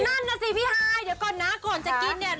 นั่นน่ะสิพี่ฮายเดี๋ยวก่อนนะก่อนจะกินเนี่ย